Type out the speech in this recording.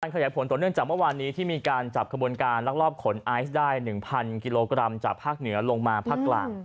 ขยายผลต่อเนื่องจากเมื่อวานนี้ที่มีการจับขบวนการลักลอบขนไอซ์ได้๑๐๐กิโลกรัมจากภาคเหนือลงมาภาคกลาง